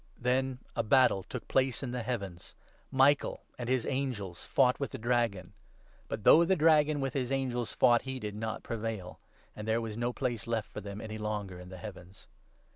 Then a battle took place in the heavens. Michael and his 7 angels fought with the Dragon. But though the Dragon, with his angels, fought, he did not prevail ; and there was 8 no place left for them any longer in the heavens.